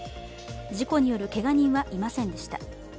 事故によるけが人はいませんでした。